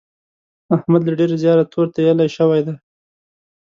احمد له ډېره زیاره تور تېيلی شوی دی.